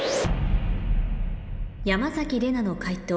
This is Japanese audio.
山崎怜奈の解答